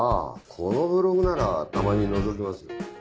このブログならたまにのぞきますよ。